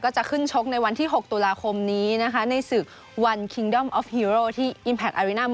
ก็จะขึ้นชกในวันที่๖ตุลาคมนี้นะคะ